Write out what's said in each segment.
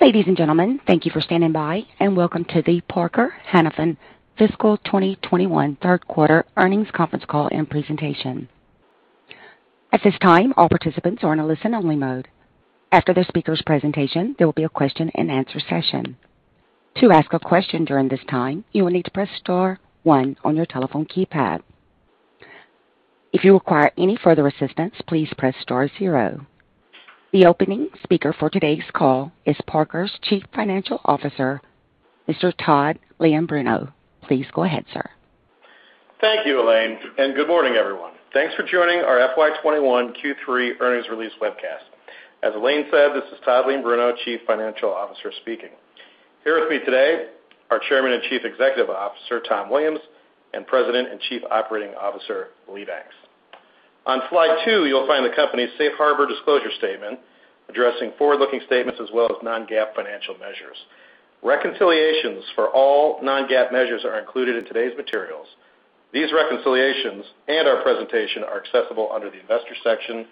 Ladies and gentlemen, thank you for standing by, and welcome to the Parker-Hannifin Fiscal 2021 Third Quarter Earnings Conference Call and Presentation. At this time, all participants are in a listen-only mode. After the speakers' presentation, there will be a question-and-answer session. To ask a question during this time, you will need to press star one on your telephone keypad. If you require any further assistance, please press star zero. The opening speaker for today's call is Parker's Chief Financial Officer, Mr. Todd M. Leombruno. Please go ahead, sir. Thank you, Elaine, and good morning, everyone. Thanks for joining our FY21 Q3 earnings release webcast. As Elaine said, this is Todd M. Leombruno, Chief Financial Officer, speaking. Here with me today are Chairman and Chief Executive Officer, Tom Williams, and President and Chief Operating Officer, Lee C. Banks. On slide two, you'll find the company's safe harbor disclosure statement addressing forward-looking statements as well as non-GAAP financial measures. Reconciliations for all non-GAAP measures are included in today's materials. These reconciliations and our presentation are accessible under the investor section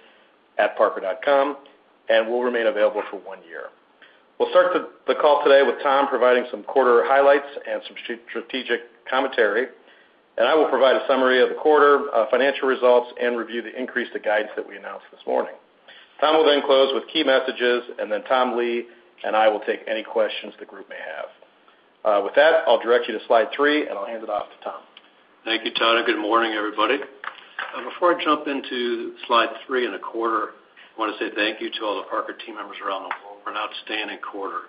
at parker.com and will remain available for one year. We'll start the call today with Tom providing some quarter highlights and some strategic commentary, and I will provide a summary of the quarter financial results and review the increase to guidance that we announced this morning. Tom will then close with key messages, and then Tom, Lee, and I will take any questions the group may have. With that, I'll direct you to slide three, and I'll hand it off to Tom. Thank you, Todd, and good morning, everybody. Before I jump into slide three and the quarter, I want to say thank you to all the Parker team members around the world for an outstanding quarter.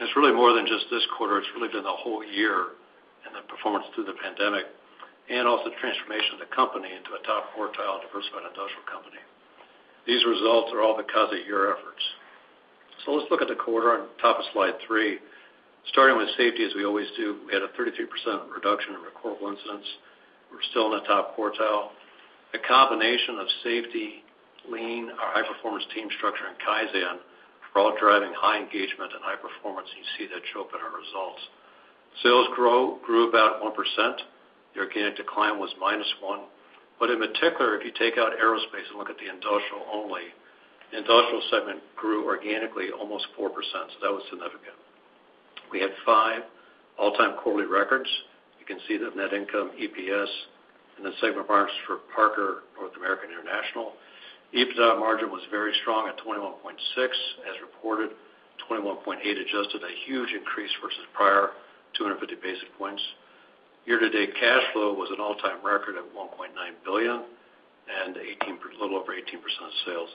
It's really more than just this quarter, it's really been the whole year and the performance through the pandemic and also the transformation of the company into a top quartile diversified industrial company. These results are all because of your efforts. Let's look at the quarter on top of slide three. Starting with safety as we always do, we had a 33% reduction in recordable incidents. We're still in the top quartile. A combination of safety, lean, our high-performance team structure in Kaizen are all driving high engagement and high performance, and you see that show up in our results. Sales grew about 1%. The organic decline was minus one. In particular, if you take out aerospace and look at the industrial only, the industrial segment grew organically almost 4%, so that was significant. We had five all-time quarterly records. You can see the net income EPS and the segment margins for Parker North American International. EBITDA margin was very strong at 21.6 as reported, 21.8 adjusted, a huge increase versus prior 250 basis points. Year-to-date cash flow was an all-time record at $1.9 billion and a little over 18% of sales.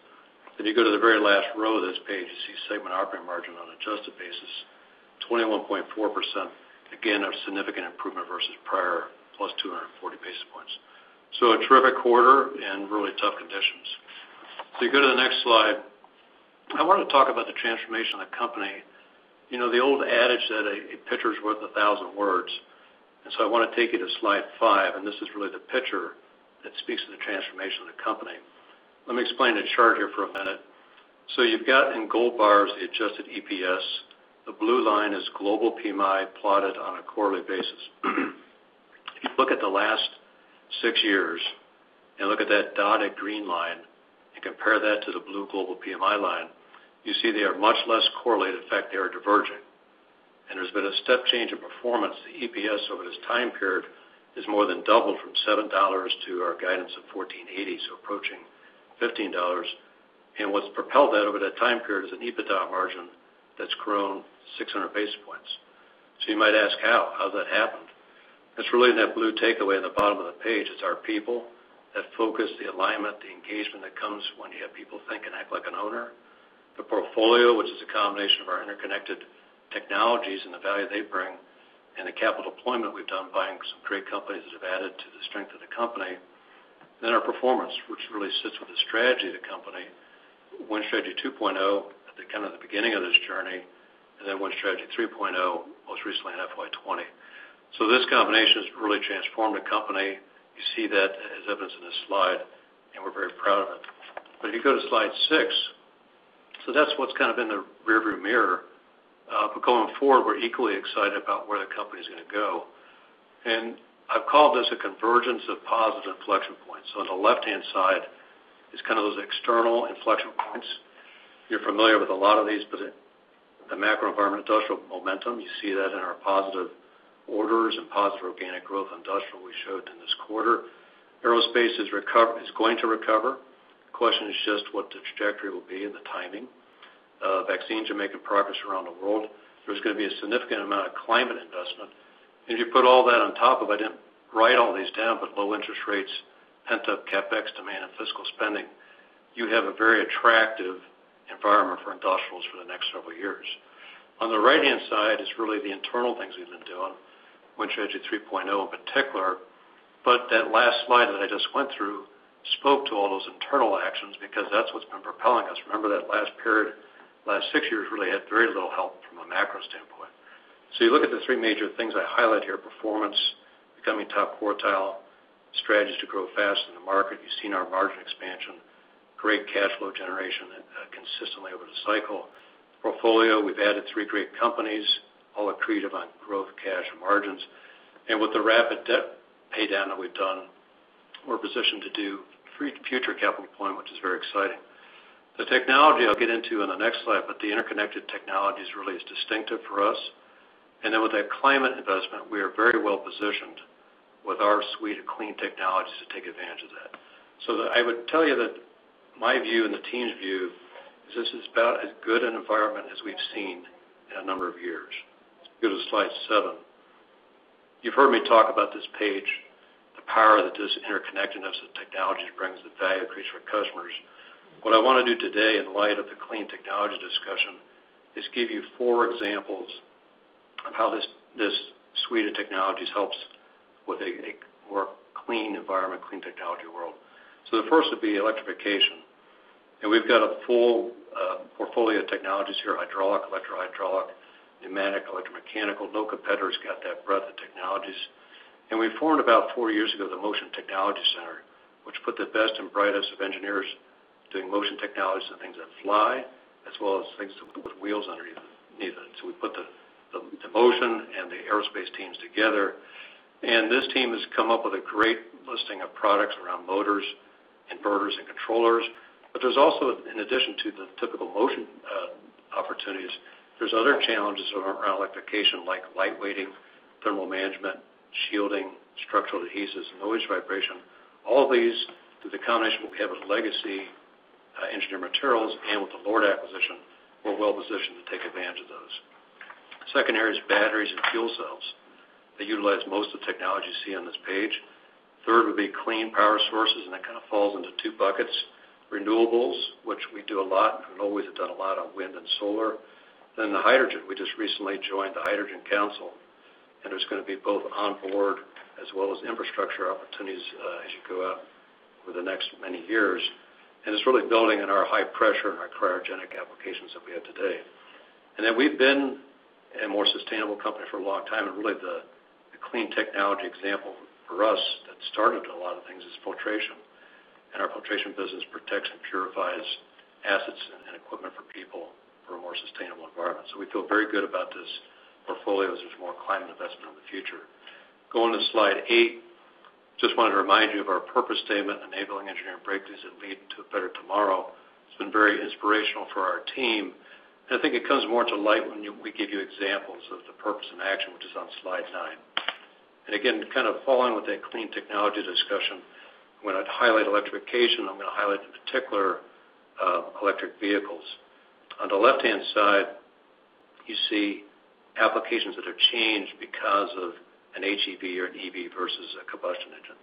You go to the very last row of this page, you see segment operating margin on an adjusted basis, 21.4%. Again, a significant improvement versus prior +240 basis points. A terrific quarter in really tough conditions. If you go to the next slide, I want to talk about the transformation of the company. You know the old adage that a picture is worth a thousand words. I want to take you to slide five. This is really the picture that speaks to the transformation of the company. Let me explain the chart here for a minute. You've got in gold bars the adjusted EPS. The blue line is global PMI plotted on a quarterly basis. If you look at the last six years and look at that dotted green line and compare that to the blue global PMI line, you see they are much less correlated. In fact, they are diverging. There's been a step change in performance. The EPS over this time period is more than doubled from $7 to our guidance of $14.80, so approaching $15. What's propelled that over that time period is an EBITDA margin that's grown 600 basis points. You might ask how? How's that happened? It's really in that blue takeaway in the bottom of the page. It's our people that focus the alignment, the engagement that comes when you have people think and act like an owner. The portfolio, which is a combination of our interconnected technologies and the value they bring, and the capital deployment we've done buying some great companies that have added to the strength of the company. Our performance, which really sits with the strategy of the company. Win Strategy 2.0 at the beginning of this journey, and then Win Strategy 3.0 most recently in FY 2020. This combination has really transformed the company. You see that as evidence in this slide, and we're very proud of it. If you go to slide six, that's what's kind of in the rearview mirror. Going forward, we're equally excited about where the company is going to go. I've called this a convergence of positive inflection points. On the left-hand side is kind of those external inflection points. You're familiar with a lot of these, but the macro environment, industrial momentum, you see that in our positive orders and positive organic growth industrial we showed in this quarter. Aerospace is going to recover. The question is just what the trajectory will be and the timing. Vaccines are making progress around the world. There's going to be a significant amount of climate investment. If you put all that on top of it, I didn't write all these down, but low interest rates, pent-up CapEx demand and fiscal spending, you have a very attractive environment for industrials for the next several years. On the right-hand side is really the internal things we've been doing, Win Strategy 3.0 in particular. That last slide that I just went through spoke to all those internal actions because that's what's been propelling us. Remember that last period, last six years really had very little help from a macro standpoint. You look at the three major things I highlight here, performance, becoming top quartile, strategies to grow faster than the market. You've seen our margin expansion, great cash flow generation consistently over the cycle portfolio. We've added three great companies, all accretive on growth, cash, and margins. With the rapid debt pay down that we've done, we're positioned to do future capital deployment, which is very exciting. The technology I'll get into in the next slide, the interconnected technology is really distinctive for us. With that climate investment, we are very well positioned with our suite of clean technologies to take advantage of that. I would tell you that my view and the team's view is this is about as good an environment as we've seen in a number of years. Go to slide seven. You've heard me talk about this page, the power that this interconnectedness of technologies brings, the value it creates for customers. What I want to do today in light of the clean technology discussion is give you four examples of how this suite of technologies helps with a more clean environment, clean technology world. The first would be electrification, and we've got a full portfolio of technologies here, hydraulic, electro-hydraulic, pneumatic, electromechanical. No competitor's got that breadth of technologies. We formed about four years ago, the Motion Technology Center, which put the best and brightest of engineers doing motion technologies to things that fly, as well as things with wheels underneath it. We put the motion and the aerospace teams together, and this team has come up with a great listing of products around motors, inverters, and controllers. There's also, in addition to the typical motion opportunities, other challenges around electrification, like light-weighting, thermal management, shielding, structural adhesives, and noise vibration. All these through the combination what we have with legacy engineered materials and with the LORD acquisition, we're well positioned to take advantage of those. Second area is batteries and fuel cells that utilize most of the technology you see on this page. Third would be clean power sources, and that kind of falls into two buckets. The hydrogen. We just recently joined the Hydrogen Council, and there's going to be both onboard as well as infrastructure opportunities as you go out over the next many years. It's really building on our high pressure and our cryogenic applications that we have today. We've been a more sustainable company for a long time, and really the clean technology example for us that started a lot of things is filtration. Our filtration business protects and purifies assets and equipment for people for a more sustainable environment. We feel very good about this portfolio as there's more climate investment in the future. Go on to slide eight. Just wanted to remind you of our purpose statement, enabling engineering breakthroughs that lead to a better tomorrow. It's been very inspirational for our team. I think it comes more to light when we give you examples of the purpose in action, which is on slide nine. Again, to kind of follow on with that clean technology discussion, when I highlight electrification, I'm going to highlight in particular, electric vehicles. On the left-hand side, you see applications that have changed because of an HEV or an EV versus a combustion engine.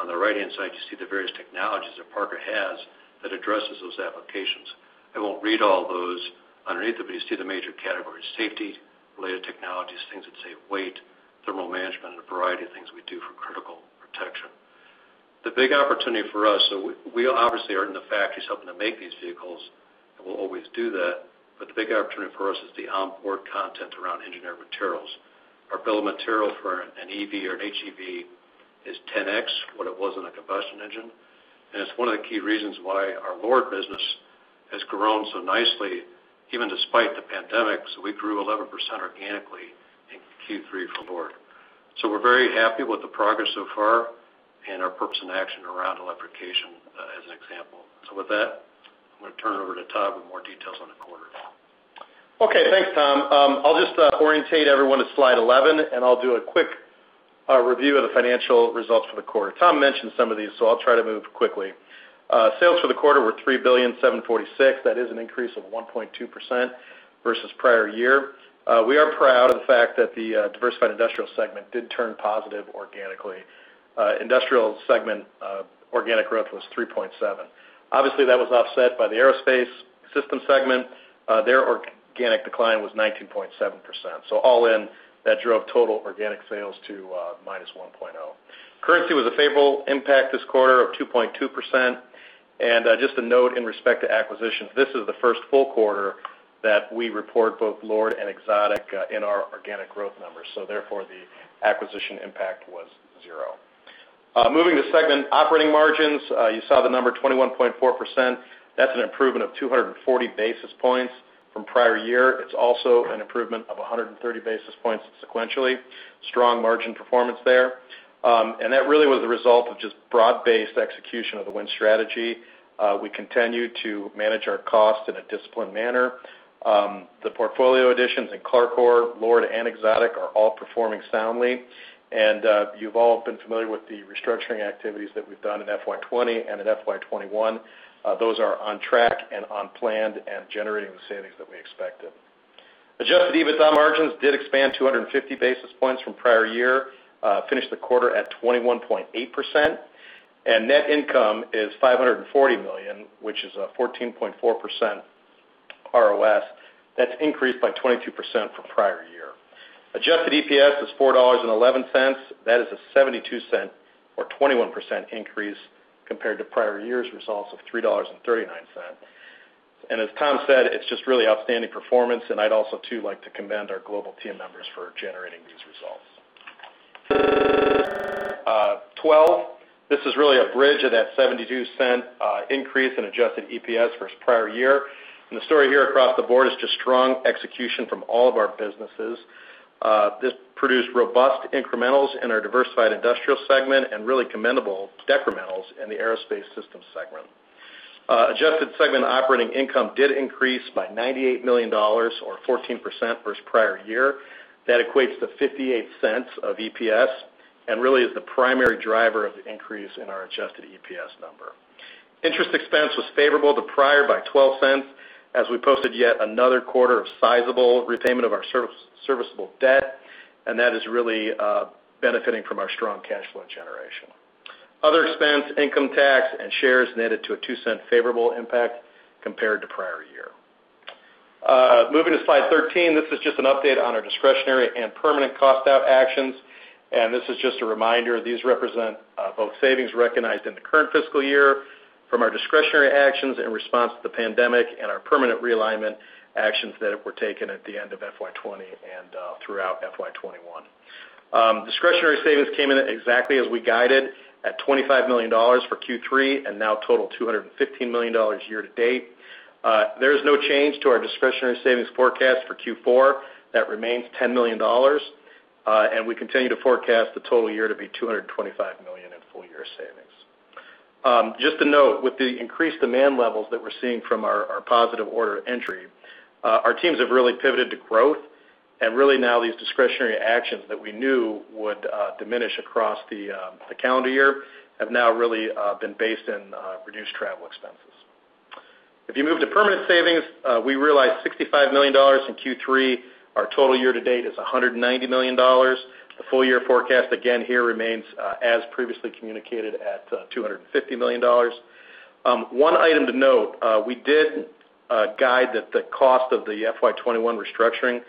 On the right-hand side, you see the various technologies that Parker has that addresses those applications. I won't read all those underneath them. You see the major categories, safety-related technologies, things that save weight, thermal management, and a variety of things we do for critical protection. The big opportunity for us, so we obviously are in the factories helping to make these vehicles, and we'll always do that, but the big opportunity for us is the onboard content around engineered materials. Our bill of material for an EV or an HEV is 10x what it was in a combustion engine, and it's one of the key reasons why our LORD business has grown so nicely, even despite the pandemic. We grew 11% organically in Q3 for LORD. We're very happy with the progress so far and our purpose in action around electrification as an example. With that, I'm going to turn it over to Todd with more details on the quarter. Okay, thanks, Tom. I'll just orient everyone to slide 11, and I'll do a quick review of the financial results for the quarter. Tom mentioned some of these, so I'll try to move quickly. Sales for the quarter were $3.746 billion. That is an increase of 1.2% versus prior year. We are proud of the fact that the Diversified Industrial segment did turn positive organically. Industrial segment organic growth was 3.7%. Obviously, that was offset by the Aerospace Systems segment. Their organic decline was 19.7%. All in, that drove total organic sales to -1.0%. Currency was a favorable impact this quarter of 2.2%. Just a note in respect to acquisitions, this is the first full quarter that we report both LORD and Exotic in our organic growth numbers, so therefore, the acquisition impact was zero. Moving to segment operating margins. You saw the number 21.4%. That's an improvement of 240 basis points from prior year. It's also an improvement of 130 basis points sequentially. Strong margin performance there. That really was a result of just broad-based execution of the Win Strategy. We continue to manage our cost in a disciplined manner. The portfolio additions in CLARCOR, LORD, and Exotic are all performing soundly, and you've all been familiar with the restructuring activities that we've done in FY 2020 and in FY 2021. Those are on track and on plan and generating the savings that we expected. Adjusted EBITDA margins did expand 250 basis points from prior year. Finished the quarter at 21.8%, and net income is $540 million, which is a 14.4% ROS. That's increased by 22% from prior year. Adjusted EPS is $4.11. That is a $0.72 or 21% increase compared to prior year's results of $3.39. As Tom said, it's just really outstanding performance, and I'd also too like to commend our global team members for generating these results. Slide 12. This is really a bridge of that $0.72 increase in adjusted EPS versus prior year. The story here across the board is just strong execution from all of our businesses. This produced robust incrementals in our Diversified Industrial segment and really commendable decrementals in the Aerospace Systems segment. Adjusted segment operating income did increase by $98 million or 14% versus prior year. That equates to $0.58 of EPS and really is the primary driver of the increase in our adjusted EPS number. Interest expense was favorable to prior by $0.12, as we posted yet another quarter of sizable repayment of our serviceable debt, and that is really benefiting from our strong cash flow generation. Other expense, income tax, and shares netted to a $0.02 favorable impact compared to prior year. Moving to slide 13, this is just an update on our discretionary and permanent cost-out actions. This is just a reminder. These represent both savings recognized in the current fiscal year from our discretionary actions in response to the pandemic and our permanent realignment actions that were taken at the end of FY 2020 and throughout FY 2021. Discretionary savings came in exactly as we guided at $25 million for Q3, and now total $215 million year to date. There is no change to our discretionary savings forecast for Q4. That remains $10 million. We continue to forecast the total year to be $225 million in full year savings. Just to note, with the increased demand levels that we're seeing from our positive order entry, our teams have really pivoted to growth. Really now these discretionary actions that we knew would diminish across the calendar year have now really been based in reduced travel expenses. If you move to permanent savings, we realized $65 million in Q3. Our total year to date is $190 million. The full year forecast, again, here remains as previously communicated at $250 million. One item to note, we did guide that the cost of the FY 2021 restructuring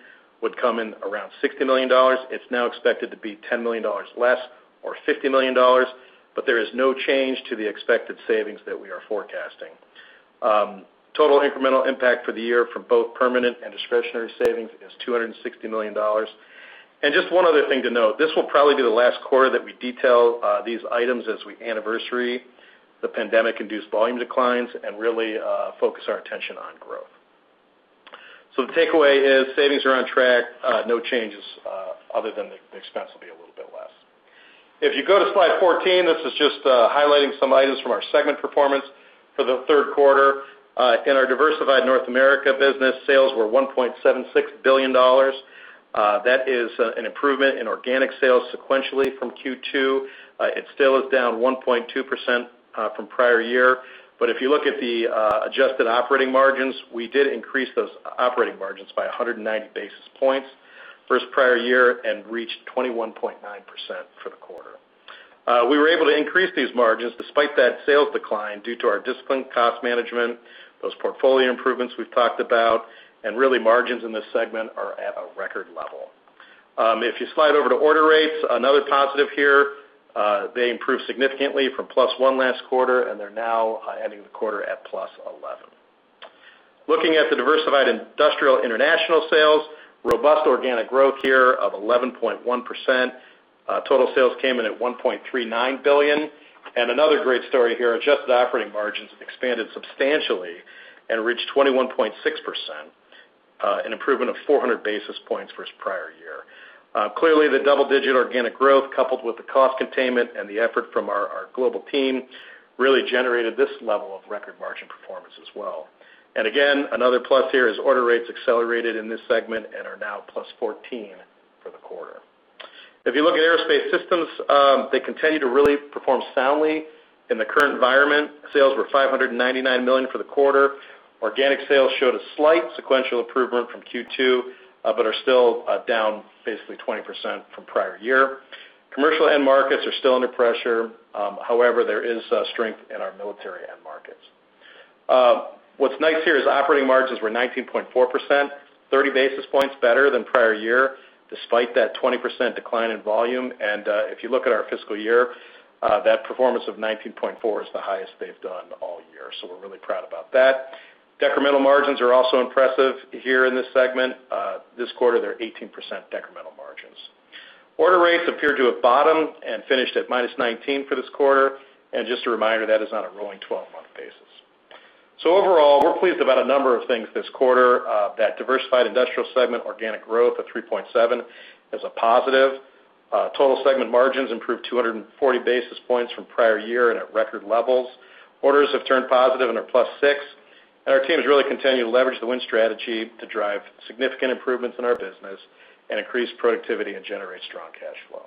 would come in around $60 million. It's now expected to be $10 million less, or $50 million, but there is no change to the expected savings that we are forecasting. Total incremental impact for the year from both permanent and discretionary savings is $260 million. Just one other thing to note, this will probably be the last quarter that we detail these items as we anniversary the pandemic-induced volume declines and really focus our attention on growth. The takeaway is savings are on track. No changes other than the expense will be a little bit less. If you go to slide 14, this is just highlighting some items from our segment performance for the third quarter. In our Diversified North America business, sales were $1.76 billion. That is an improvement in organic sales sequentially from Q2. It still is down 1.2% from prior year. If you look at the adjusted operating margins, we did increase those operating margins by 190 basis points versus prior year and reached 21.9% for the quarter. We were able to increase these margins despite that sales decline due to our disciplined cost management, those portfolio improvements we've talked about, and really margins in this segment are at a record level. If you slide over to order rates, another positive here, they improved significantly from +1 last quarter, and they're now ending the quarter at +11. Looking at the Diversified Industrial International Sales, robust organic growth here of 11.1%. Total sales came in at $1.39 billion. Another great story here, adjusted operating margins expanded substantially and reached 21.6%, an improvement of 400 basis points versus prior year. Clearly, the double-digit organic growth coupled with the cost containment and the effort from our global team really generated this level of record margin performance as well. Again, another plus here is order rates accelerated in this segment and are now +14 for the quarter. If you look at aerospace systems, they continue to really perform soundly in the current environment. Sales were $599 million for the quarter. Organic sales showed a slight sequential improvement from Q2, but are still down basically 20% from prior year. Commercial end markets are still under pressure. However, there is strength in our military end markets. What's nice here is operating margins were 19.4%, 30 basis points better than prior year, despite that 20% decline in volume. If you look at our fiscal year, that performance of 19.4% is the highest they've done all year. We're really proud about that. Decremental margins are also impressive here in this segment. This quarter they're 18% decremental margins. Order rates appeared to have bottomed and finished at -19 for this quarter. Just a reminder, that is on a rolling 12-month basis. Overall, we're pleased about a number of things this quarter. That Diversified Industrial segment organic growth of 3.7 is a positive. Total segment margins improved 240 basis points from prior year and at record levels. Orders have turned positive and are +6. Our teams really continue to leverage the Win Strategy to drive significant improvements in our business and increase productivity and generate strong cash flow.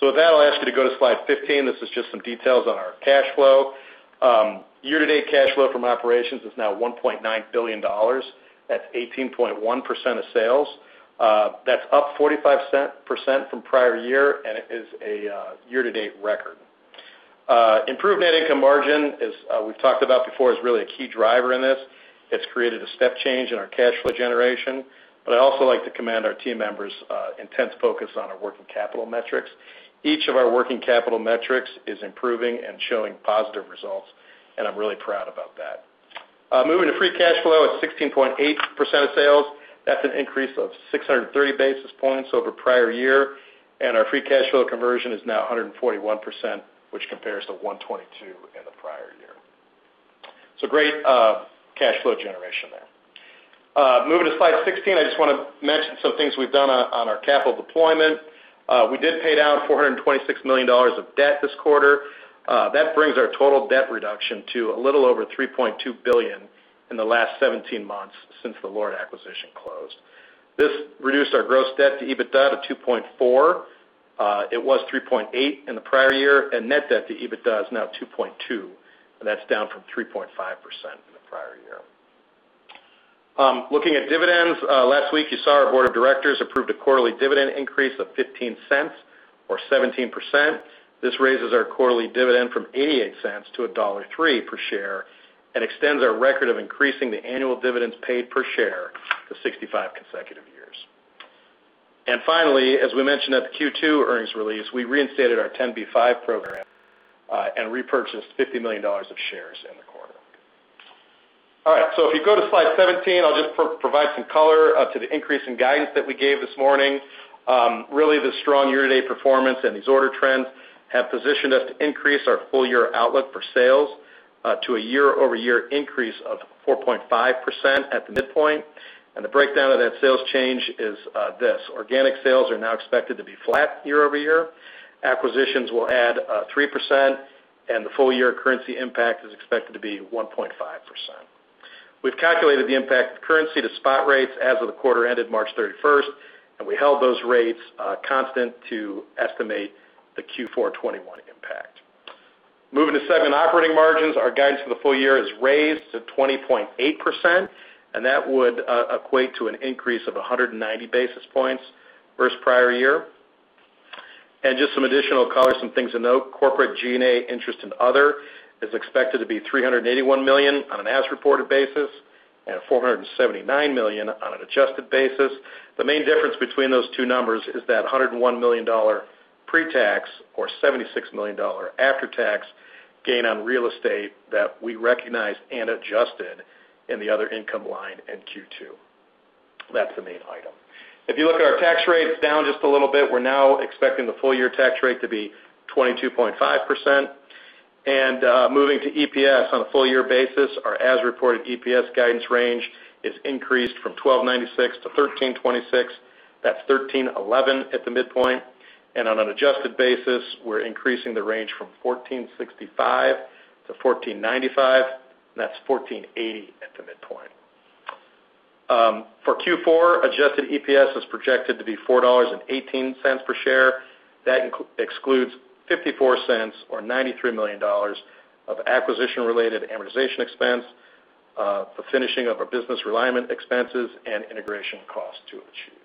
With that, I'll ask you to go to slide 15. This is just some details on our cash flow. Year-to-date cash flow from operations is now $1.9 billion. That's 18.1% of sales. That's up 45% from prior year, and it is a year-to-date record. Improved net income margin, as we've talked about before, is really a key driver in this. It's created a step change in our cash flow generation, but I'd also like to commend our team members' intense focus on our working capital metrics. Each of our working capital metrics is improving and showing positive results, and I'm really proud about that. Moving to free cash flow at 16.8% of sales. That's an increase of 630 basis points over prior year, and our free cash flow conversion is now 141%, which compares to 122 in the prior year. Great cash flow generation there. Moving to slide 16, I just want to mention some things we've done on our capital deployment. We did pay down $426 million of debt this quarter. That brings our total debt reduction to a little over $3.2 billion in the last 17 months since the LORD acquisition closed. This reduced our gross debt to EBITDA to 2.4. It was 3.8 in the prior year, and net debt to EBITDA is now 2.2, and that's down from 3.5% in the prior year. Looking at dividends, last week you saw our board of directors approved a quarterly dividend increase of $0.15 or 17%. This raises our quarterly dividend from $0.88-$1.03 per share and extends our record of increasing the annual dividends paid per share to 65 consecutive years. Finally, as we mentioned at the Q2 earnings release, we reinstated our 10b5 program and repurchased $50 million of shares in the quarter. If you go to slide 17, I'll just provide some color to the increase in guidance that we gave this morning. The strong year-to-date performance and these order trends have positioned us to increase our full-year outlook for sales to a year-over-year increase of 4.5% at the midpoint. The breakdown of that sales change is this: organic sales are now expected to be flat year-over-year. Acquisitions will add 3%, and the full-year currency impact is expected to be 1.5%. We've calculated the impact of currency to spot rates as of the quarter ended March 31st, and we held those rates constant to estimate the Q4 2021 impact. Moving to segment operating margins, our guidance for the full year is raised to 20.8%, and that would equate to an increase of 190 basis points versus prior year. Just some additional color, some things to note. Corporate G&A interest and other is expected to be $381 million on an as-reported basis and $479 million on an adjusted basis. The main difference between those two numbers is that $101 million pre-tax or $76 million after-tax gain on real estate that we recognized and adjusted in the other income line in Q2. That's the main item. If you look at our tax rates, down just a little bit. We're now expecting the full-year tax rate to be 22.5%. Moving to EPS on a full-year basis, our as-reported EPS guidance range is increased from $12.96-$13.26. That's $13.11 at the midpoint. On an adjusted basis, we're increasing the range from $14.65-$14.95, and that's $14.80 at the midpoint. For Q4, adjusted EPS is projected to be $4.18 per share. That excludes $0.54 or $93 million of acquisition-related amortization expense, the finishing of our business realignment expenses, and integration costs to achieve.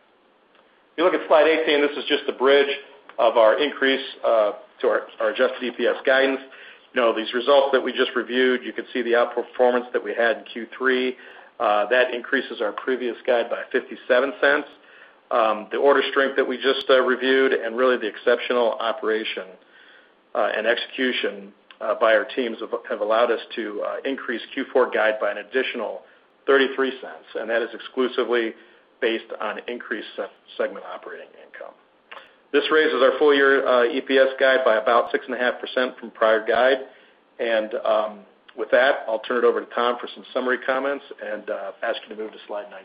If you look at slide 18, this is just a bridge of our increase to our adjusted EPS guidance. These results that we just reviewed, you can see the outperformance that we had in Q3. That increases our previous guide by $0.57. The order strength that we just reviewed and really the exceptional operation and execution by our teams have allowed us to increase Q4 guide by an additional $0.33, and that is exclusively based on increased segment operating income. This raises our full-year EPS guide by about 6.5% from prior guide. With that, I'll turn it over to Tom for some summary comments and ask you to move to slide 19.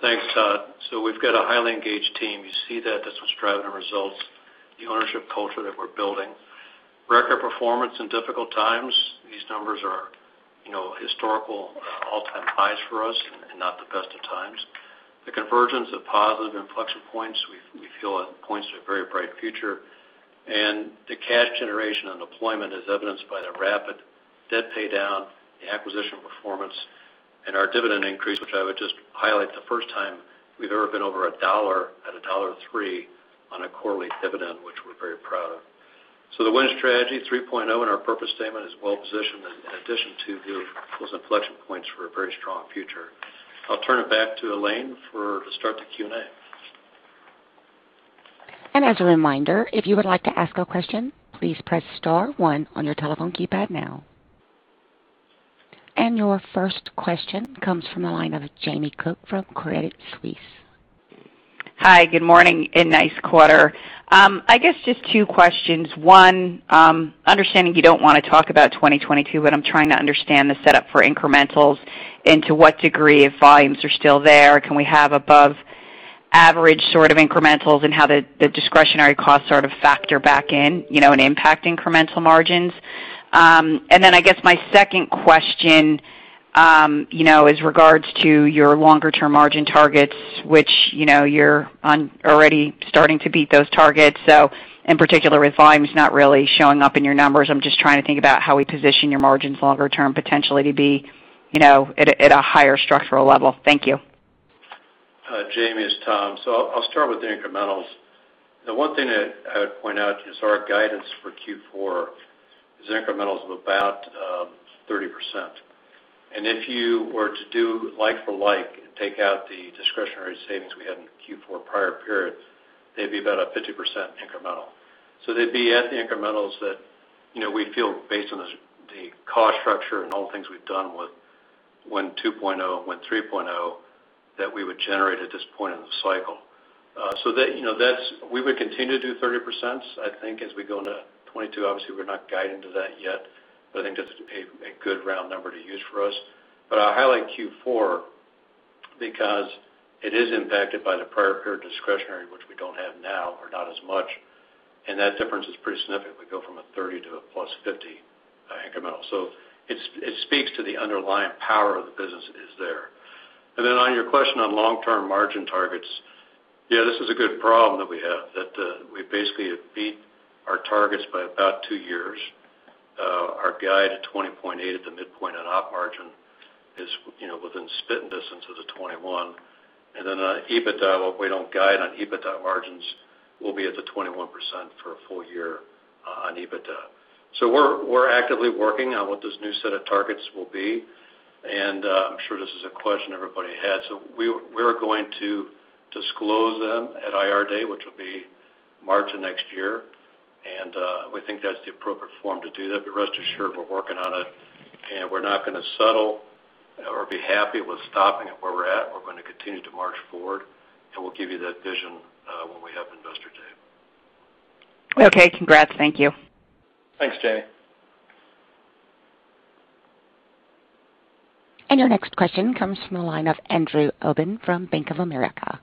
Thanks, Todd. We've got a highly engaged team. You see that that's what's driving the results, the ownership culture that we're building. Record performance in difficult times. These numbers are historical all-time highs for us and not the best of times. The convergence of positive inflection points, we feel it points to a very bright future. The cash generation and deployment, as evidenced by the rapid debt paydown, the acquisition performance, and our dividend increase, which I would just highlight the first time we've ever been over a dollar at $1.03 on a quarterly dividend, which we're very proud of. The Win Strategy 3.0 and our purpose statement is well-positioned in addition to those inflection points for a very strong future. I'll turn it back to Elaine to start the Q&A. As a reminder, if you would like to ask a question, please press star one on your telephone keypad now. Your first question comes from the line of Jamie Cook from Credit Suisse. Hi, good morning. Nice quarter. I guess just two questions. One, understanding you don't want to talk about 2022, but I'm trying to understand the setup for incrementals and to what degree, if volumes are still there, can we have above average incrementals and how the discretionary costs factor back in and impact incremental margins? I guess my second question is regards to your longer-term margin targets, which you're already starting to beat those targets. In particular, with volumes not really showing up in your numbers, I'm just trying to think about how we position your margins longer term potentially to be at a higher structural level? Thank you. Jamie, it's Tom. I'll start with the incrementals. The one thing that I would point out is our guidance for Q4 is incrementals of about 30%. If you were to do like for like and take out the discretionary savings we had in the Q4 prior period. They'd be about a 50% incremental. They'd be at the incrementals that we feel based on the cost structure and all the things we've done with Win Strategy 2.0, Win Strategy 3.0, that we would generate at this point in the cycle. We would continue to do 30%, I think, as we go into 2022. Obviously, we're not guiding to that yet, I think that's a good round number to use for us. I highlight Q4 because it is impacted by the prior period discretionary, which we don't have now, or not as much. That difference is pretty significant. We go from a 30 to a +50 incremental. It speaks to the underlying power of the business is there. On your question on long-term margin targets, yeah, this is a good problem that we have, that we basically have beat our targets by about two years. Our guide at 20.8 at the midpoint on op margin is within spitting distance of the 21. On EBITDA, while we don't guide on EBITDA margins, we'll be at the 21% for a full year on EBITDA. We're actively working on what this new set of targets will be, and I'm sure this is a question everybody had. We are going to disclose them at IR Day, which will be March of next year. We think that's the appropriate forum to do that. Rest assured, we're working on it, and we're not going to settle or be happy with stopping at where we're at. We're going to continue to march forward, and we'll give you that vision when we have Investor Day. Okay, congrats. Thank you. Thanks, Jamie. Your next question comes from the line of Andrew Obin from Bank of America.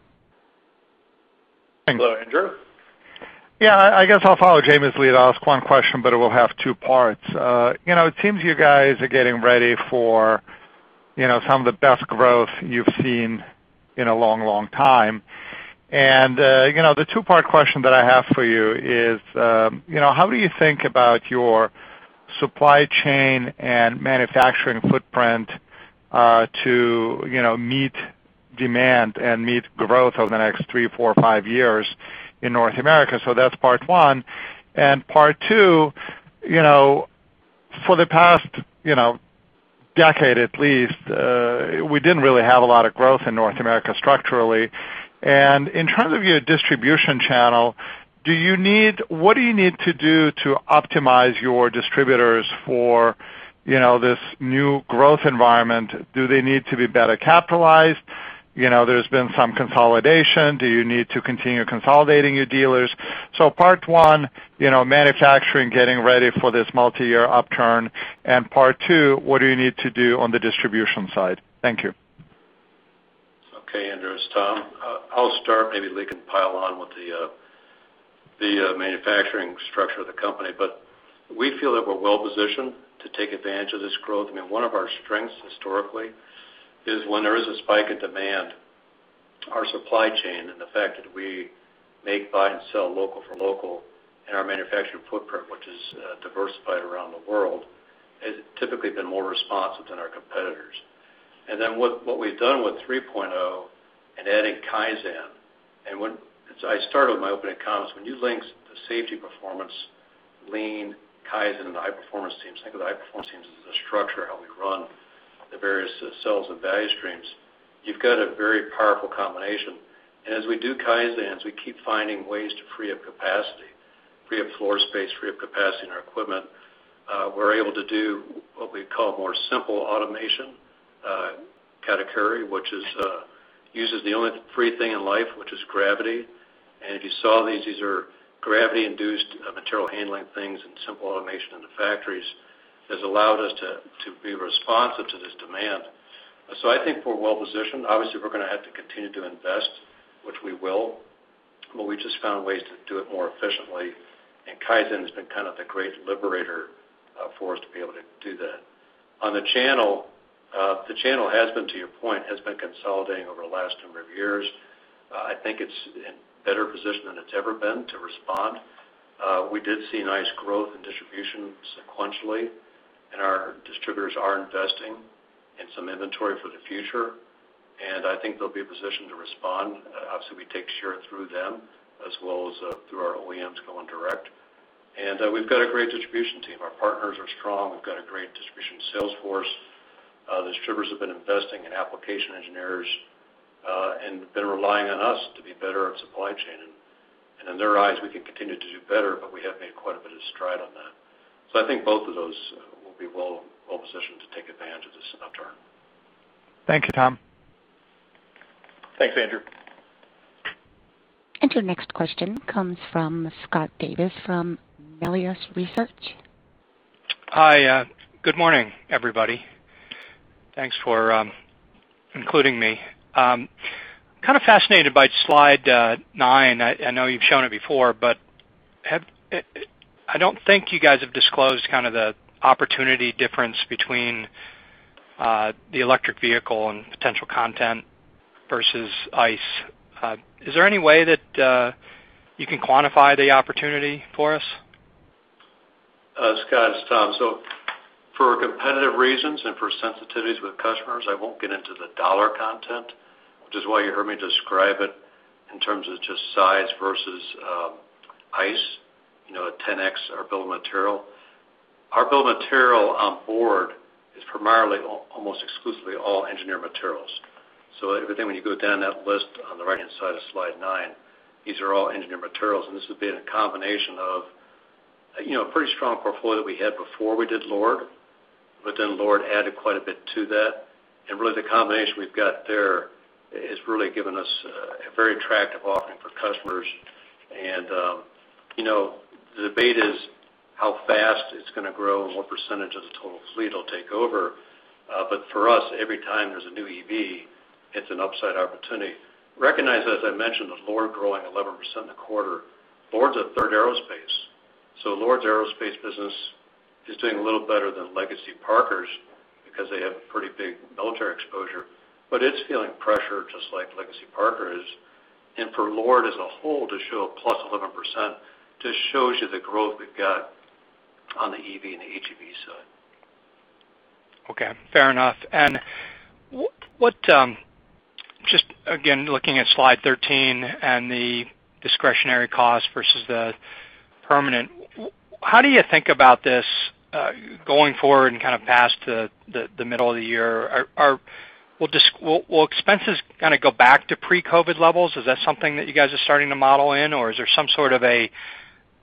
Hello, Andrew. Yeah, I guess I'll follow Jamie's lead. I'll ask one question, but it will have two parts. It seems you guys are getting ready for some of the best growth you've seen in a long time. The two-part question that I have for you is, how do you think about your supply chain and manufacturing footprint to meet demand and meet growth over the next three, four, five years in North America? That's part one. Part two, for the past decade at least, we didn't really have a lot of growth in North America structurally. In terms of your distribution channel, what do you need to do to optimize your distributors for this new growth environment? Do they need to be better capitalized? There's been some consolidation. Do you need to continue consolidating your dealers? Part one, manufacturing, getting ready for this multi-year upturn, and part two, what do you need to do on the distribution side? Thank you. Okay, Andrew, it's Tom. I'll start, maybe Lee can pile on with the manufacturing structure of the company. We feel that we're well-positioned to take advantage of this growth. One of our strengths historically is when there is a spike in demand, our supply chain and the fact that we make, buy, and sell local for local in our manufacturing footprint, which is diversified around the world, has typically been more responsive than our competitors. Then what we've done with 3.0 and adding Kaizen, I started with my opening comments, when you link the safety performance, lean Kaizen, and the high-performance teams, think of the high-performance teams as the structure of how we run the various cells and value streams. You've got a very powerful combination. As we do Kaizens, we keep finding ways to free up capacity, free up floor space, free up capacity in our equipment. We're able to do what we call more simple automation, Karakuri, which uses the only free thing in life, which is gravity. If you saw these are gravity-induced material handling things and simple automation in the factories, has allowed us to be responsive to this demand. I think we're well-positioned. Obviously, we're going to have to continue to invest, which we will, but we just found ways to do it more efficiently. Kaizen has been kind of the great liberator for us to be able to do that. On the channel, the channel has been, to your point, has been consolidating over the last number of years. I think it's in a better position than it's ever been to respond. We did see nice growth in distribution sequentially, and our distributors are investing in some inventory for the future, and I think they'll be positioned to respond. Obviously, we take share through them as well as through our OEMs going direct. We've got a great distribution team. Our partners are strong. We've got a great distribution sales force. The distributors have been investing in application engineers and been relying on us to be better at supply chain. In their eyes, we can continue to do better, but we have made quite a bit of stride on that. I think both of those will be well-positioned to take advantage of this upturn. Thank you, Tom. Thanks, Andrew. Your next question comes from Scott Davis from Melius Research. Hi, good morning, everybody. Thanks for including me. Kind of fascinated by slide nine. I know you've shown it before, but I don't think you guys have disclosed kind of the opportunity difference between the electric vehicle and potential content versus ICE. Is there any way that you can quantify the opportunity for us? Scott, it's Tom. For competitive reasons and for sensitivities with customers, I won't get into the dollar content, which is why you heard me describe it in terms of just size versus ICE, a 10x our bill of material. Our build material on board is primarily almost exclusively all engineered materials. Everything when you go down that list on the right-hand side of slide nine, these are all engineered materials, and this has been a combination of a pretty strong portfolio that we had before we did LORD, but then LORD added quite a bit to that. Really, the combination we've got there has really given us a very attractive offering for customers. The debate is how fast it's going to grow and what percentage of the total fleet it'll take over. For us, every time there's a new EV, it's an upside opportunity. Recognize that as I mentioned, with LORD growing 11% in the quarter, LORD's a third aerospace. LORD's aerospace business is doing a little better than legacy Parker-Hannifin's because they have pretty big military exposure, but it's feeling pressure just like legacy Parker-Hannifin is. For LORD as a whole to show a +11%, just shows you the growth we've got on the EV and the HEV side. Okay. Fair enough. Just again, looking at slide 13 and the discretionary cost versus the permanent, how do you think about this going forward and kind of past the middle of the year? Will expenses kind of go back to pre-COVID levels? Is that something that you guys are starting to model in or is there some sort of a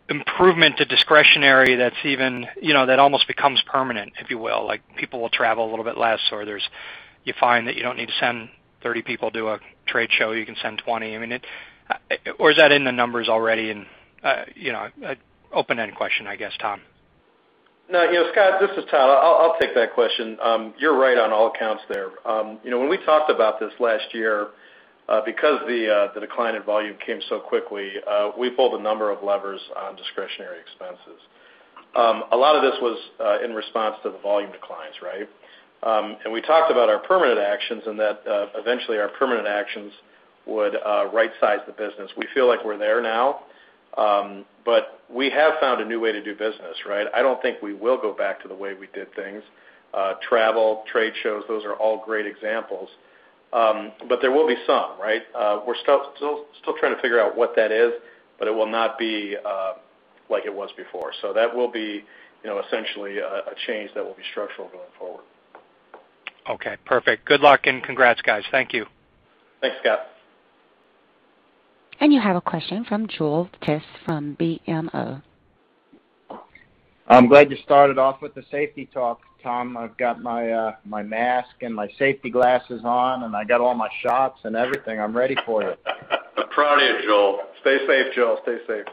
improvement to discretionary that almost becomes permanent, if you will? Like people will travel a little bit less, or you find that you don't need to send 30 people to a trade show, you can send 20. Or is that in the numbers already? An open-ended question, I guess, Tom. No, Scott, this is Todd. I'll take that question. You're right on all accounts there. When we talked about this last year, because the decline in volume came so quickly, we pulled a number of levers on discretionary expenses. A lot of this was in response to the volume declines, right? We talked about our permanent actions and that eventually our permanent actions would right size the business. We feel like we're there now, but we have found a new way to do business, right? I don't think we will go back to the way we did things. Travel, trade shows, those are all great examples. There will be some, right? We're still trying to figure out what that is, but it will not be like it was before. That will be essentially a change that will be structural going forward. Okay, perfect. Good luck and congrats, guys. Thank you. Thanks, Scott. You have a question from Joel Tiss from BMO. I'm glad you started off with the safety talk, Tom. I've got my mask and my safety glasses on. I got all my shots and everything. I'm ready for it. Proud of you, Joel. Stay safe, Joel. Stay safe.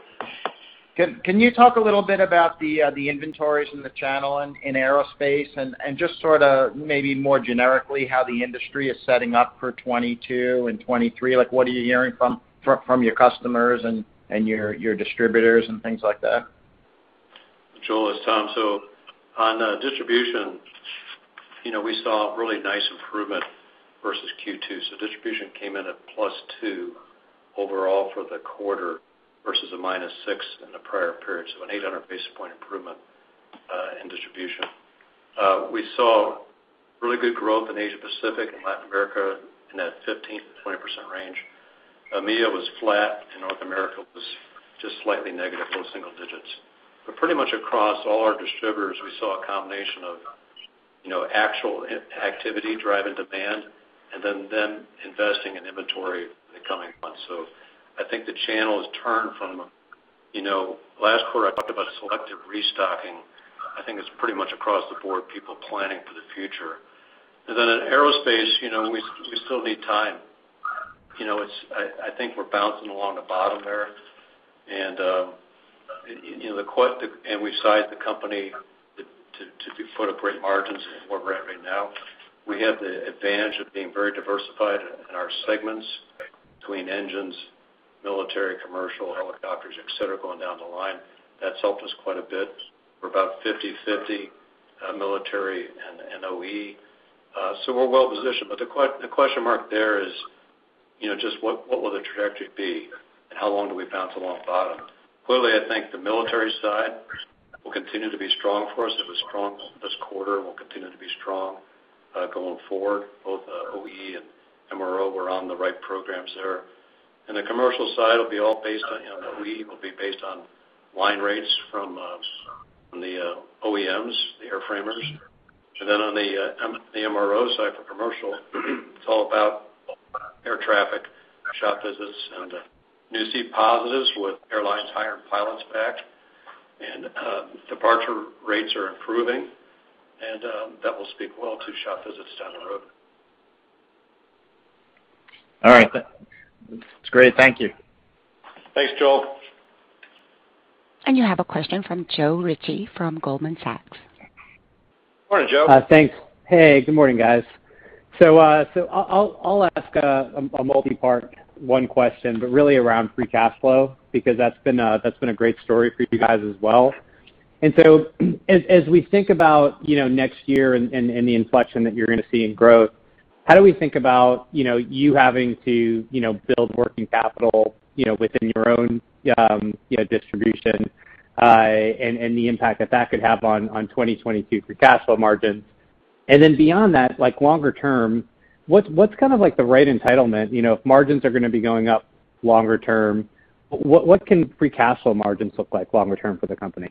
Can you talk a little bit about the inventories in the channel and in aerospace and just sort of maybe more generically, how the industry is setting up for 2022 and 2023? What are you hearing from your customers and your distributors and things like that? Joel, it's Tom. On distribution, we saw a really nice improvement versus Q2. Distribution came in at plus two overall for the quarter versus a minus six in the prior period. An 800 basis point improvement in distribution. We saw really good growth in Asia Pacific and Latin America in that 15%-20% range. EMEA was flat and North America was just slightly negative, low single digits. Pretty much across all our distributors, we saw a combination of actual activity driving demand and then them investing in inventory in the coming months. I think the channel has turned from last quarter, I talked about selective restocking. I think it's pretty much across the board, people planning for the future. In aerospace, we still need time. I think we're bouncing along the bottom there. We've sized the company to do full-up great margins at where we're at right now. We have the advantage of being very diversified in our segments between engines, military, commercial, helicopters, et cetera, going down the line. That's helped us quite a bit. We're about 50/50 military and OE. We're well positioned. The question mark there is just what will the trajectory be and how long do we bounce along bottom? Clearly, I think the military side will continue to be strong for us. It was strong this quarter and will continue to be strong going forward, both OE and MRO, we're on the right programs there. The commercial side will be all based on OE. Will be based on line rates from the OEMs, the airframers. On the MRO side for commercial, it's all about air traffic, shop visits, and new seat positives with airlines hiring pilots back, and departure rates are improving, and that will speak well to shop visits down the road. All right. That's great. Thank you. Thanks, Joel. You have a question from Joe Ritchie from Goldman Sachs. Morning, Joe. Thanks. Hey, good morning, guys. I'll ask a multi-part one question, but really around free cash flow, because that's been a great story for you guys as well. As we think about next year and the inflection that you're going to see in growth, how do we think about you having to build working capital within your own distribution, and the impact that that could have on 2022 free cash flow margins? Beyond that, longer-term, what's the right entitlement? If margins are going to be going up longer-term, what can free cash flow margins look like longer term for the company?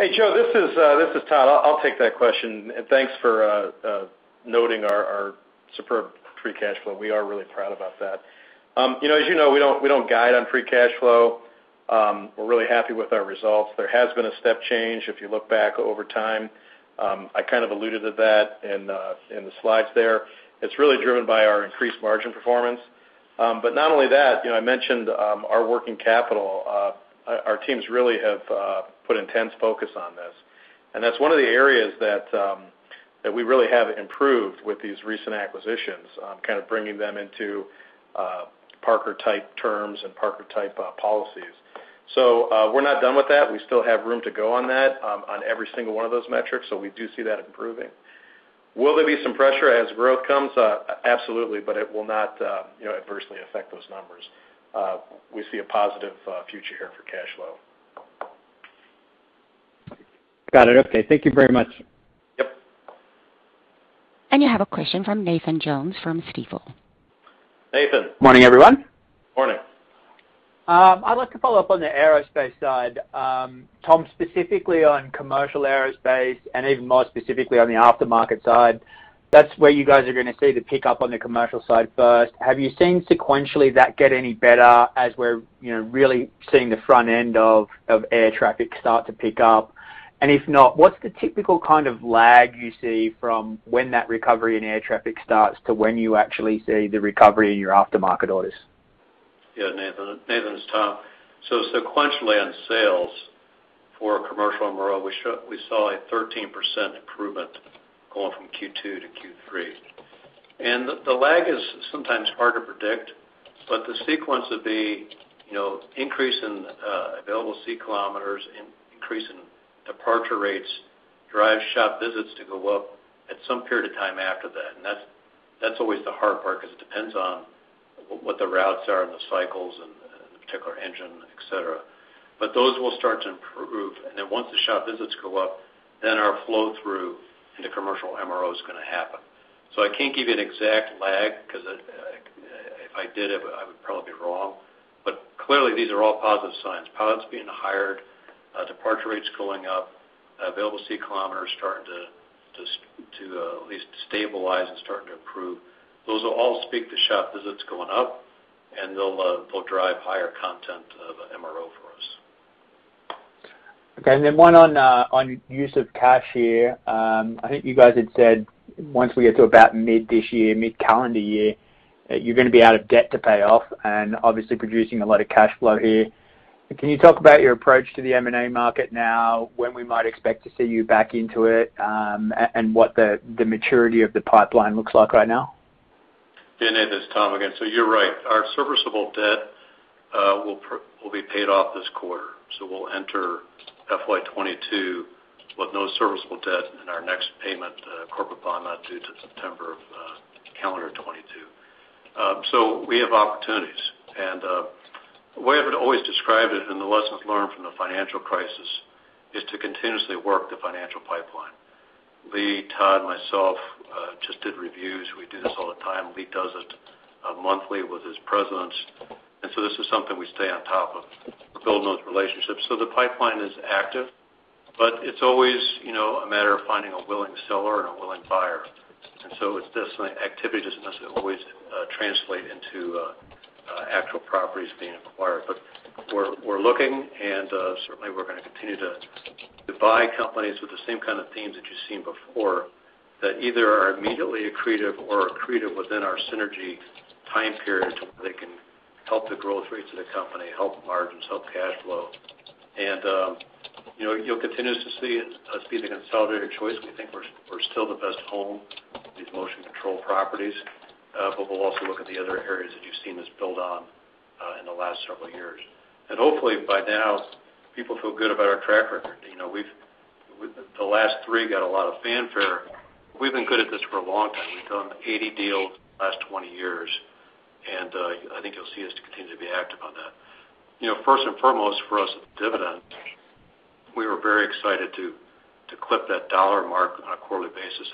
Hey, Joe, this is Todd. I'll take that question. Thanks for noting our superb free cash flow. We are really proud about that. As you know, we don't guide on free cash flow. We're really happy with our results. There has been a step change, if you look back over time. I kind of alluded to that in the slides there. It's really driven by our increased margin performance. Not only that, I mentioned our working capital. Our teams really have put intense focus on this, and that's one of the areas that we really have improved with these recent acquisitions, kind of bringing them into Parker-type terms and Parker-type policies. We're not done with that. We still have room to go on that, on every single one of those metrics, so we do see that improving. Will there be some pressure as growth comes? Absolutely, but it will not adversely affect those numbers. We see a positive future here for cash flow. Got it. Okay. Thank you very much. Yep. You have a question from Nathan Jones from Stifel. Nathan. Morning, everyone. Morning. I'd like to follow up on the aerospace side. Tom, specifically on commercial aerospace and even more specifically on the aftermarket side, that's where you guys are going to see the pickup on the commercial side first. Have you seen sequentially that get any better as we're really seeing the front end of air traffic start to pick up? If not, what's the typical kind of lag you see from when that recovery in air traffic starts to when you actually see the recovery in your aftermarket orders? Yeah, Nathan, it's Tom. Sequentially on sales for commercial MRO, we saw a 13% improvement going from Q2 to Q3. The lag is sometimes hard to predict, but the sequence of the increase in available seat kilometers, increase in departure rates, drive shop visits to go up at some period of time after that. That's always the hard part, because it depends on what the routes are and the cycles and the particular engine, et cetera. Those will start to improve, and then once the shop visits go up, then our flow-through into commercial MRO is going to happen. I can't give you an exact lag, because if I did, I would probably be wrong. Clearly, these are all positive signs. Pilots being hired, departure rates going up, available seat kilometers starting to at least stabilize and starting to improve. Those will all speak to shop visits going up, and they'll drive higher content of MRO for us. Okay, one on use of cash here. I think you guys had said once we get to about mid this year, mid-calendar year, that you're going to be out of debt to pay off and obviously producing a lot of cash flow here. Can you talk about your approach to the M&A market now, when we might expect to see you back into it, and what the maturity of the pipeline looks like right now? Nathan, it's Tom again. You're right. Our serviceable debt will be paid off this quarter. We'll enter FY 2022 with no serviceable debt in our next payment, corporate bond not due till September of calendar 2022. We have opportunities. The way I've always described it in the lessons learned from the financial crisis is to continuously work the financial pipeline. Lee, Todd, myself just did reviews. We do this all the time. Lee does it monthly with his presidents. This is something we stay on top of, building those relationships. The pipeline is active, but it's always a matter of finding a willing seller and a willing buyer. Activity doesn't necessarily always translate into actual properties being acquired. We're looking, and certainly we're going to continue to buy companies with the same kind of themes that you've seen before, that either are immediately accretive or accretive within our synergy time period, where they can help the growth rates of the company, help margins, help cash flow. You'll continue to see us be the consolidated choice. We think we're still the best home for these motion control properties. We'll also look at the other areas that you've seen us build on in the last several years. Hopefully by now, people feel good about our track record. The last three got a lot of fanfare. We've been good at this for a long time. We've done 80 deals in the last 20 years, and I think you'll see us continue to be active on that. First and foremost for us, the dividend. We were very excited to clip that dollar mark on a quarterly basis,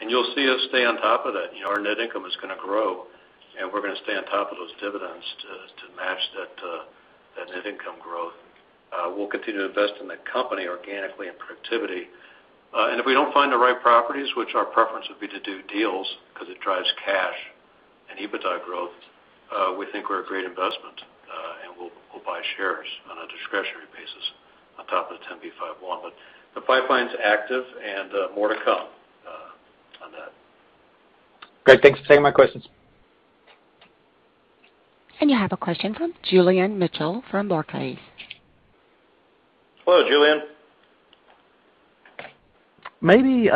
and you'll see us stay on top of that. Our net income is going to grow, and we're going to stay on top of those dividends to match that net income growth. We'll continue to invest in the company organically and productively. If we don't find the right properties, which our preference would be to do deals because it drives cash and EBITDA growth, we think we're a great investment, and we'll buy shares on a discretionary basis on top of the 10b5-1. The pipeline's active and more to come on that. Great, thanks. Thank you for taking my questions. You have a question from Julian Mitchell from Barclays. Hello, Julian. Maybe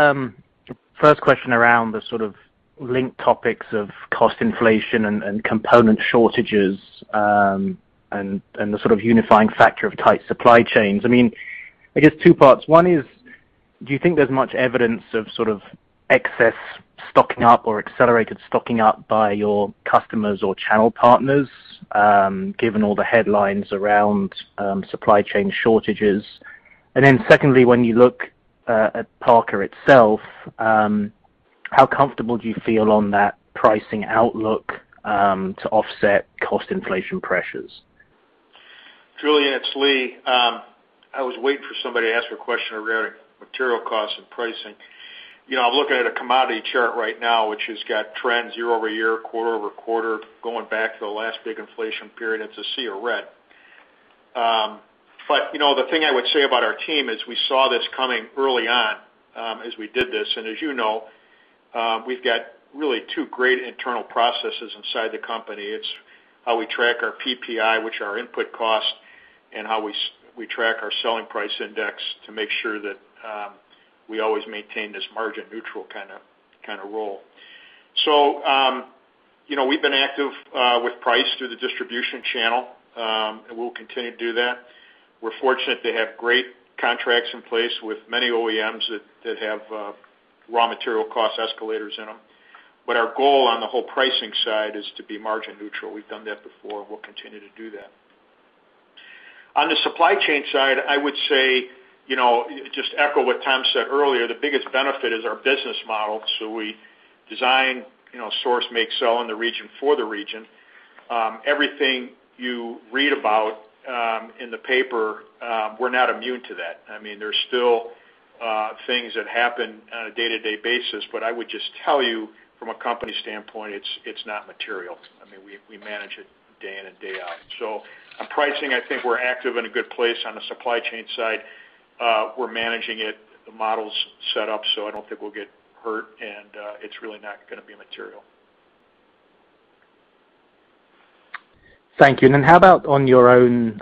first question around the sort of linked topics of cost inflation and component shortages, and the sort of unifying factor of tight supply chains. I guess two parts. One is, do you think there's much evidence of sort of excess stocking up or accelerated stocking up by your customers or channel partners, given all the headlines around supply chain shortages? Secondly, when you look at Parker itself, how comfortable do you feel on that pricing outlook to offset cost inflation pressures? Julian, it's Lee. I was waiting for somebody to ask a question around material costs and pricing. I'm looking at a commodity chart right now, which has got trends year-over-year, quarter-over-quarter, going back to the last big inflation period. It's a sea of red. The thing I would say about our team is we saw this coming early on as we did this. As you know, we've got really two great internal processes inside the company. It's how we track our PPI, which are our input costs, and how we track our selling price index to make sure that we always maintain this margin neutral kind of role. We've been active with price through the distribution channel, and we'll continue to do that. We're fortunate to have great contracts in place with many OEMs that have raw material cost escalators in them. Our goal on the whole pricing side is to be margin neutral. We've done that before, and we'll continue to do that. On the supply chain side, I would say, just echo what Tom said earlier, the biggest benefit is our business model. We design, source, make, sell in the region for the region. Everything you read about in the paper, we're not immune to that. There's still things that happen on a day-to-day basis. I would just tell you from a company standpoint, it's not material. We manage it day in and day out. On pricing, I think we're active in a good place. On the supply chain side, we're managing it. The model's set up, so I don't think we'll get hurt, and it's really not going to be material. Thank you. How about on your own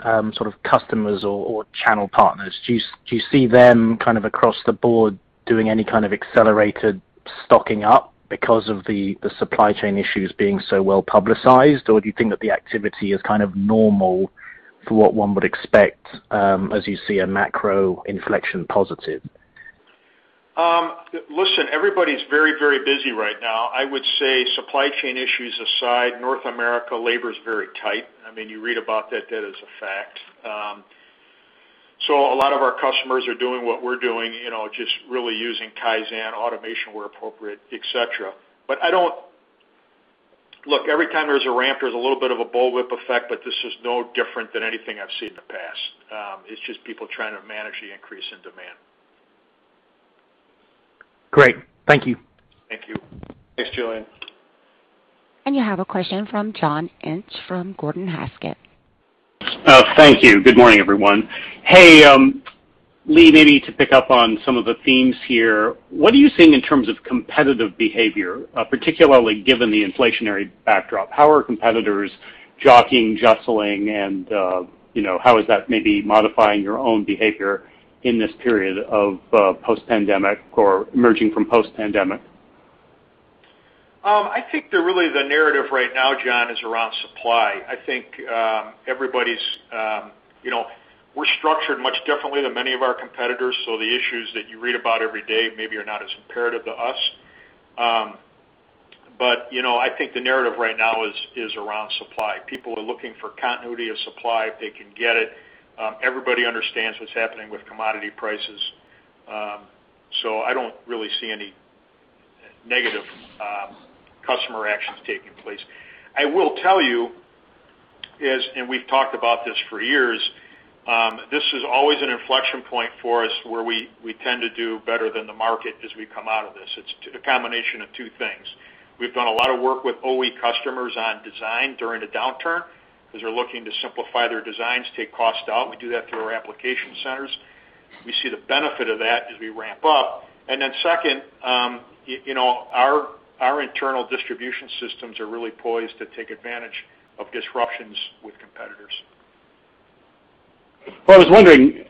customers or channel partners? Do you see them across the board doing any kind of accelerated stocking up because of the supply chain issues being so well-publicized? Do you think that the activity is normal for what one would expect as you see a macro inflection positive? Listen, everybody's very busy right now. I would say supply chain issues aside, North America labor is very tight. You read about that. That is a fact. A lot of our customers are doing what we're doing, just really using Kaizen automation where appropriate, et cetera. Look, every time there's a ramp, there's a little bit of a bullwhip effect, but this is no different than anything I've seen in the past. It's just people trying to manage the increase in demand. Great. Thank you. Thank you. Thanks, Julian. You have a question from John Inch from Gordon Haskett. Thank you. Good morning, everyone. Hey, Lee, maybe to pick up on some of the themes here. What are you seeing in terms of competitive behavior, particularly given the inflationary backdrop? How are competitors jockeying, jostling, and how is that maybe modifying your own behavior in this period of post-pandemic or emerging from post-pandemic? I think that really the narrative right now, John, is around supply. We're structured much differently than many of our competitors. The issues that you read about every day maybe are not as imperative to us. I think the narrative right now is around supply. People are looking for continuity of supply if they can get it. Everybody understands what's happening with commodity prices. I don't really see any negative customer actions taking place. I will tell you is, we've talked about this for years, this is always an inflection point for us where we tend to do better than the market as we come out of this. It's a combination of two things. We've done a lot of work with OE customers on design during the downturn because they're looking to Simplify by Design, take cost out. We do that through our application centers. We see the benefit of that as we ramp up. Second, our internal distribution systems are really poised to take advantage of disruptions with competitors. Well, I was wondering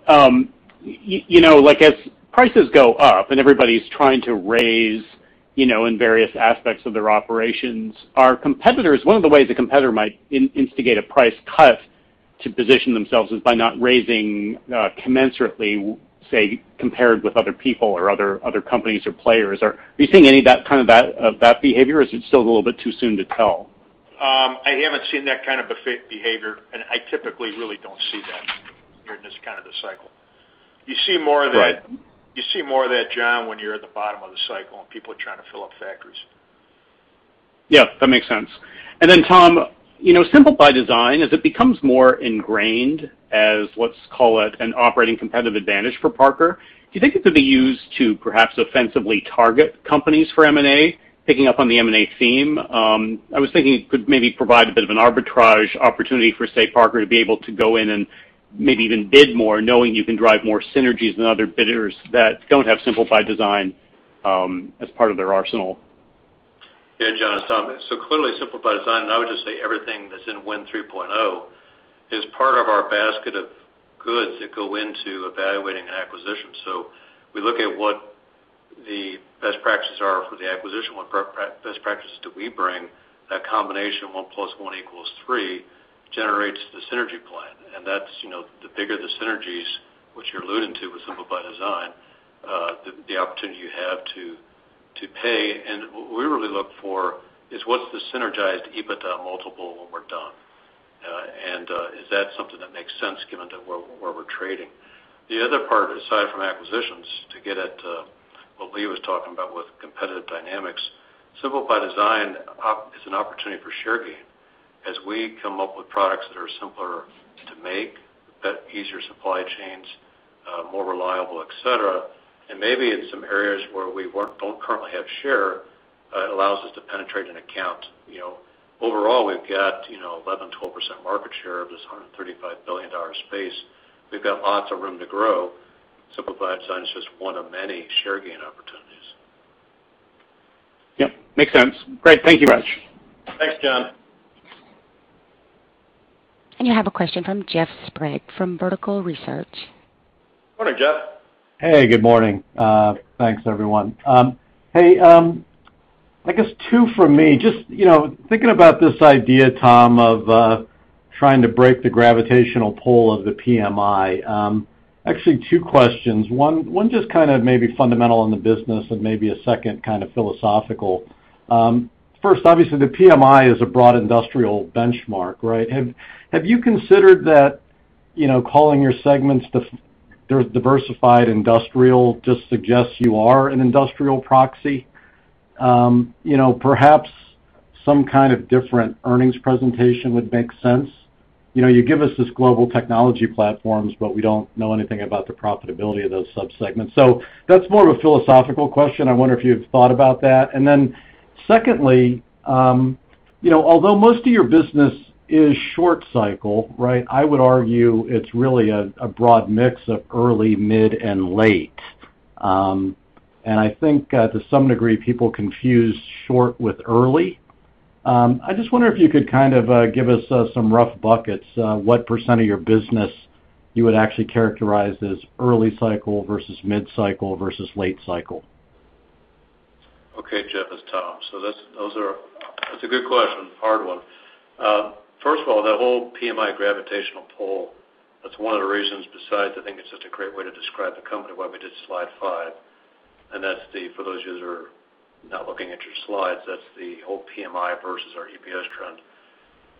as prices go up and everybody's trying to raise in various aspects of their operations, one of the ways a competitor might instigate a price cut to position themselves is by not raising commensurately, say, compared with other people or other companies or players. Are you seeing any of that kind of that behavior, or is it still a little bit too soon to tell? I haven't seen that kind of behavior, and I typically really don't see that here in this kind of a cycle. Right. You see more of that, John, when you're at the bottom of the cycle and people are trying to fill up factories. Yeah, that makes sense. Then Tom, Simplify Design, as it becomes more ingrained as let's call it an operating competitive advantage for Parker, do you think it could be used to perhaps offensively target companies for M&A? Picking up on the M&A theme, I was thinking it could maybe provide a bit of an arbitrage opportunity for, say, Parker to be able to go in and maybe even bid more, knowing you can drive more synergies than other bidders that don't have Simplify Design as part of their arsenal. Yeah, John, it's Tom. Clearly, Simplify Design, and I would just say everything that's in Win 3.0 is part of our basket of goods that go into evaluating an acquisition. Generates the synergy plan, that's the bigger the synergies, which you're alluding to with Simple by Design, the opportunity you have to pay. What we really look for is what's the synergized EBITDA multiple when we're done? Is that something that makes sense given where we're trading? The other part, aside from acquisitions, to get at what Lee was talking about with competitive dynamics, Simple by Design is an opportunity for share gain as we come up with products that are simpler to make, easier supply chains, more reliable, et cetera. Maybe in some areas where we don't currently have share, it allows us to penetrate an account. Overall, we've got 11%, 12% market share of this $135 billion space. We've got lots of room to grow. Simple by Design is just one of many share gain opportunities. Yep, makes sense. Great. Thank you much. Thanks, John. You have a question from Jeff Sprague from Vertical Research. Morning, Jeff. Hey, good morning. Thanks, everyone. Hey, I guess two from me. Just thinking about this idea, Tom, of trying to break the gravitational pull of the PMI. Actually, two questions. One just kind of maybe fundamental in the business and maybe a second kind of philosophical. First, obviously, the PMI is a broad industrial benchmark, right? Have you considered that calling your segments diversified industrial just suggests you are an industrial proxy? Perhaps some kind of different earnings presentation would make sense. You give us this global technology platforms, we don't know anything about the profitability of those sub-segments. That's more of a philosophical question. I wonder if you've thought about that. Secondly, although most of your business is short cycle, right? I would argue it's really a broad mix of early, mid, and late. I think to some degree, people confuse short with early. I just wonder if you could kind of give us some rough buckets, what percent of your business you would actually characterize as early cycle versus mid cycle versus late cycle? Jeff, it's Tom. That's a good question. Hard one. First of all, that whole PMI gravitational pull, that's one of the reasons besides I think it's just a great way to describe the company, why we did slide five, and for those of you who are not looking at your slides, that's the whole PMI versus our EPS trend.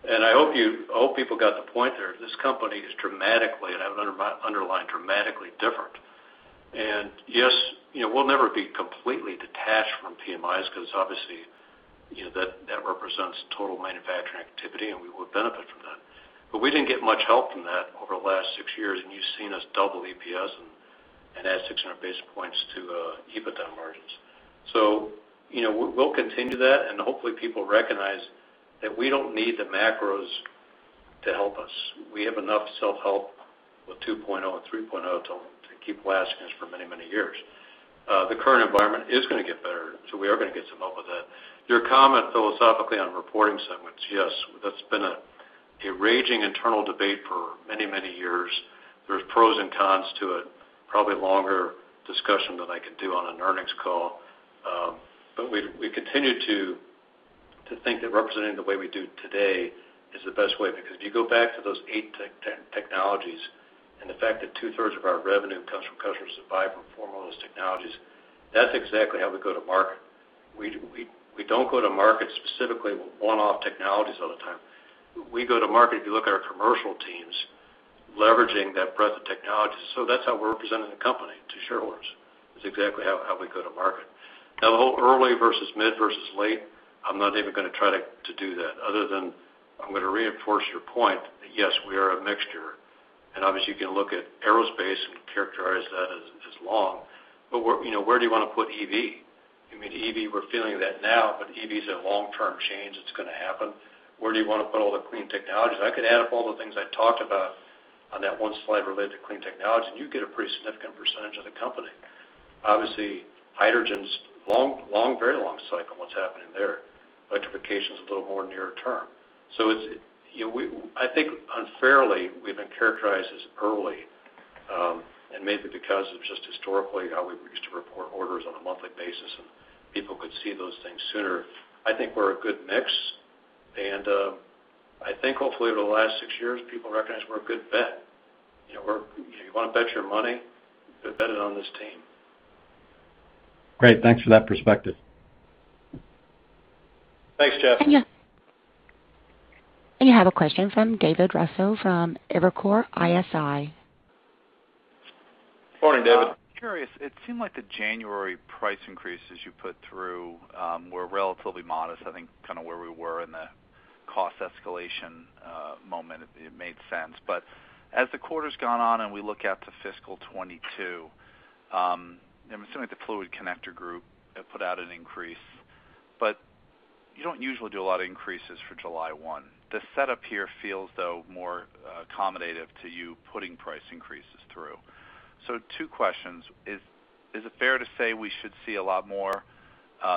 I hope people got the point there. This company is dramatically, and I've underlined dramatically different. Yes, we'll never be completely detached from PMIs because obviously, that represents total manufacturing activity, and we will benefit from that. We didn't get much help from that over the last six years, and you've seen us double EPS and add 600 basis points to EBITDA margins. We'll continue that, and hopefully, people recognize that we don't need the macros to help us. We have enough self-help with 2.0 and 3.0 to keep lasting us for many, many years. The current environment is going to get better. We are going to get some help with that. Your comment philosophically on reporting segments, yes, that's been a raging internal debate for many, many years. There's pros and cons to it, probably longer discussion than I can do on an earnings call. We continue to think that representing the way we do today is the best way, because if you go back to those eight technologies and the fact that 2/3 of our revenue comes from customers who buy from four or more of those technologies, that's exactly how we go to market. We don't go to market specifically with one-off technologies all the time. We go to market, if you look at our commercial teams, leveraging that breadth of technology. That's how we're representing the company to shareholders, is exactly how we go to market. Now, the whole early versus mid versus late, I'm not even going to try to do that other than I'm going to reinforce your point that, yes, we are a mixture. Obviously, you can look at aerospace and characterize that as long. Where do you want to put EV? You mean EV, we're feeling that now, but EV is a long-term change that's going to happen. Where do you want to put all the clean technologies? I could add up all the things I talked about on that one slide related to clean technology, and you get a pretty significant percentage of the company. Obviously, hydrogen's very long cycle, what's happening there. Electrification's a little more near-term. I think unfairly, we've been characterized as early, and maybe because of just historically how we used to report orders on a monthly basis, and people could see those things sooner. I think we're a good mix, and I think hopefully over the last six years, people recognize we're a good bet. If you want to bet your money, go bet it on this team. Great. Thanks for that perspective. Thanks, Jeff. You have a question from David Raso from Evercore ISI. Morning, David. Curious, it seemed like the January price increases you put through were relatively modest. I think kind of where we were in the cost escalation moment, it made sense. As the quarter's gone on and we look out to FY 2022, I'm assuming the Fluid Connectors group have put out an increase, but you don't usually do a lot of increases for July 1. The setup here feels, though, more accommodative to you putting price increases through. Two questions. Is it fair to say we should see a lot more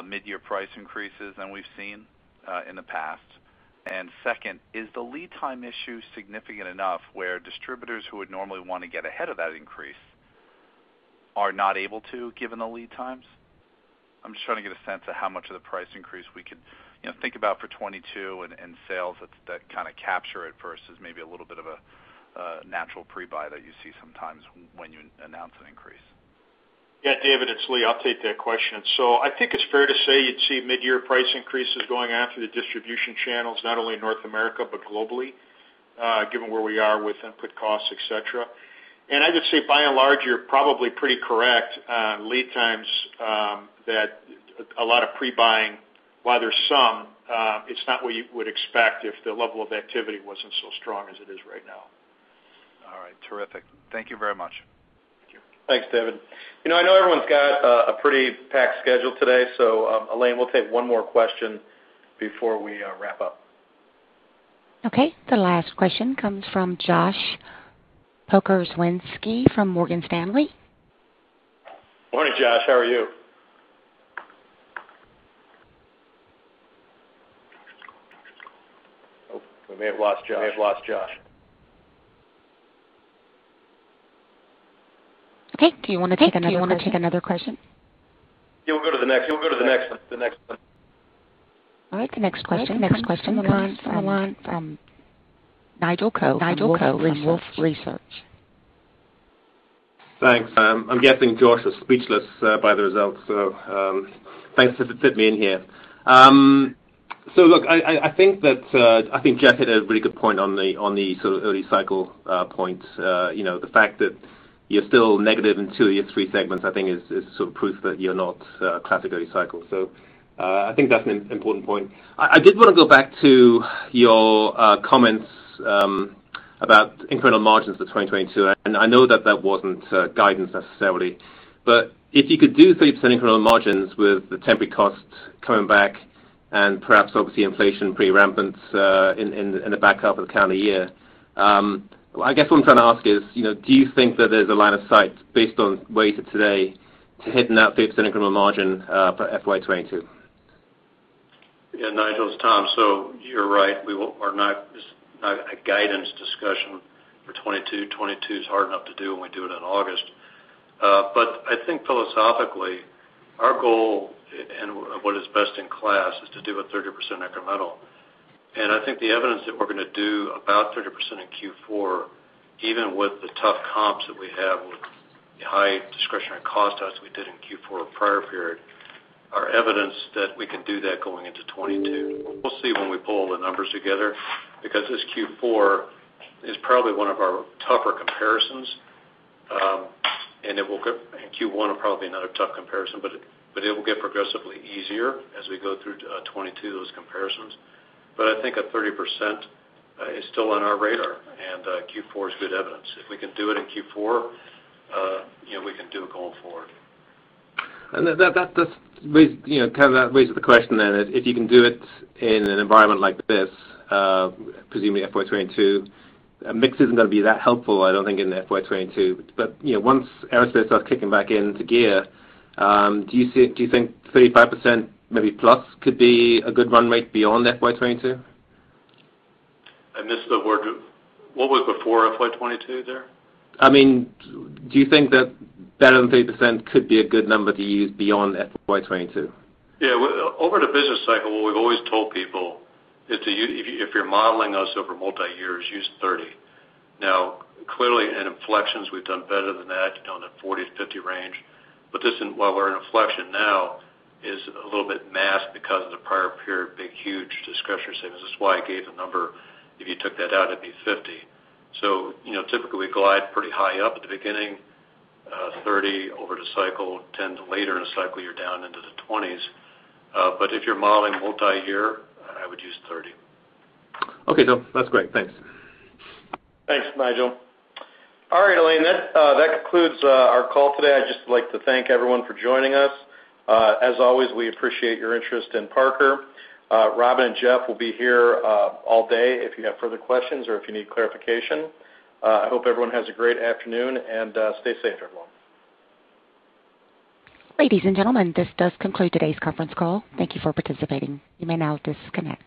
mid-year price increases than we've seen in the past? Second, is the lead time issue significant enough where distributors who would normally want to get ahead of that increase are not able to, given the lead times? I'm just trying to get a sense of how much of the price increase we could think about for 2022 in sales that kind of capture it versus maybe a little bit of a natural pre-buy that you see sometimes when you announce an increase. Yeah, David, it's Lee. I'll take that question. I think it's fair to say you'd see mid-year price increases going after the distribution channels, not only in North America, but globally, given where we are with input costs, et cetera. I would say by and large, you're probably pretty correct on lead times, that a lot of pre-buying, while there's some, it's not what you would expect if the level of activity wasn't so strong as it is right now. All right, terrific. Thank you very much. Thank you. Thanks, David. I know everyone's got a pretty packed schedule today, so Elaine, we'll take one more question before we wrap up. Okay. The last question comes from Joshua Pokrzywinski from Morgan Stanley. Morning, Josh. How are you? Oh, we may have lost Josh. Okay. Do you want to take another question? Yeah, we'll go to the next one. All right. The next question comes from Nigel Coe from Wolfe Research. Thanks. I'm guessing Josh is speechless by the results, so thanks for fitting me in here. Look, I think Jeff hit a really good point on the early cycle point. The fact that you're still negative in two of your three segments, I think is proof that you're not a classic early cycle. I think that's an important point. I did want to go back to your comments about incremental margins for 2022, and I know that that wasn't guidance necessarily, but if you could do 30% incremental margins with the temporary costs coming back and perhaps obviously inflation pretty rampant in the back half of the calendar year. I guess what I'm trying to ask is, do you think that there's a line of sight based on where you are today to hitting that 30% incremental margin for FY 2022? Yeah, Nigel, it's Tom. You're right, this is not a guidance discussion for 2022. 2022 is hard enough to do when we do it in August. I think philosophically, our goal, and what is best in class, is to do a 30% incremental. I think the evidence that we're going to do about 30% in Q4, even with the tough comps that we have with the high discretionary cost as we did in Q4 of the prior period, are evidence that we can do that going into 2022. We'll see when we pull all the numbers together, because this Q4 is probably one of our tougher comparisons, and Q1 will probably be another tough comparison, but it will get progressively easier as we go through 2022, those comparisons. I think a 30% is still on our radar, and Q4 is good evidence. If we can do it in Q4, we can do it going forward. That kind of raises the question, then, if you can do it in an environment like this, presumably FY 2022, mix isn't going to be that helpful, I don't think, in FY 2022. Once aerospace starts kicking back into gear, do you think 35%, maybe plus, could be a good run rate beyond FY 2022? I missed the word. What was before FY 2022 there? Do you think that better than 30% could be a good number to use beyond FY 2022? Over the business cycle, what we've always told people is if you're modeling us over multi-years, use 30. Clearly in inflections, we've done better than that, in the 40-50 range. This, while we're in inflection now, is a little bit masked because of the prior period being huge discretionary savings. This is why I gave the number. If you took that out, it'd be 50. Typically, we glide pretty high up at the beginning, 30 over the cycle. Tend to later in the cycle, you're down into the 20s. If you're modeling multi-year, I would use 30. Okay, Tom. That's great. Thanks. Thanks, Nigel. All right, Elaine, that concludes our call today. I'd just like to thank everyone for joining us. As always, we appreciate your interest in Parker. Robin and Jeff will be here all day if you have further questions or if you need clarification. I hope everyone has a great afternoon, and stay safe, everyone. Ladies and gentlemen, this does conclude today's conference call. Thank you for participating. You may now disconnect.